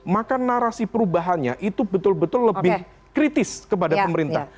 maka narasi perubahannya itu betul betul lebih kritis kepada pemerintah